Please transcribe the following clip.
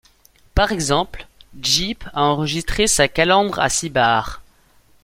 Par exemple, Jeep a enregistré sa calandre à six barres.